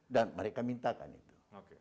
dan mereka mintakan itu